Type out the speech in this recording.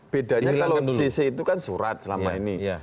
bedanya kalau jc itu kan surat selama ini